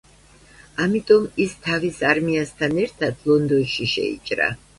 ამიტომ, ის თავის არმიასთან ერთად ლონდონში შეიჭრა.